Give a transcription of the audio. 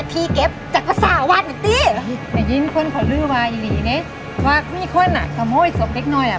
ตอนนี้เมาส์เรื่องไรกันอยู่คะ